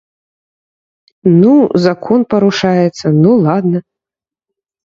Ну, закон парушаецца, ну ладна.